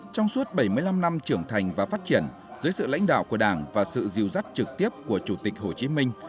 trong suốt bảy mươi năm năm trưởng thành và phát triển dưới sự lãnh đạo của đảng và sự diêu dắt trực tiếp của chủ tịch hồ chí minh